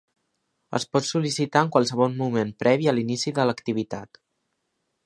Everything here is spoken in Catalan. Es pot sol·licitar en qualsevol moment previ a l'inici de l'activitat.